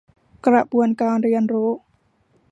กระบวนการเรียนรู้